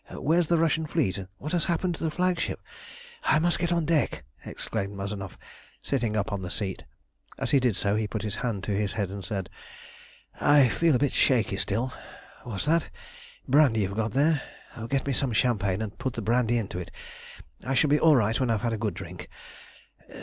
Where's the Russian fleet, and what happened to the flagship? I must get on deck," exclaimed Mazanoff, sitting up on the seat. As he did so he put his hand to his head and said: "I feel a bit shaky still. What's that brandy you've got there? Get me some champagne, and put the brandy into it. I shall be all right when I've had a good drink.